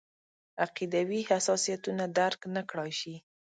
عقیدوي حساسیتونه درک نکړای شي.